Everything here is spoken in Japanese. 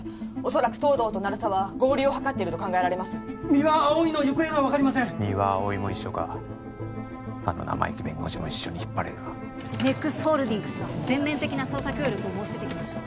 恐らく東堂と鳴沢は合流を図っていると考えられます三輪碧の行方が分かりません三輪碧も一緒かあの生意気弁護士も一緒に引っ張れるな・ＮＥＸホールディングスが全面的な捜査協力を申し出てきました